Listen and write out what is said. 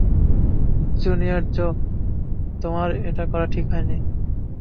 Junior Joe, তোমার এটা করা ঠিক হয়নি।